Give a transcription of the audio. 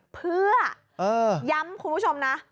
เพื่อย้ำคุณผู้ชมนะ